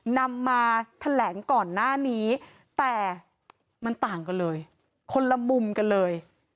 นำมาแถลงก่อนหน้านี้แต่มันต่างกันเลยคนละมุมกันเลย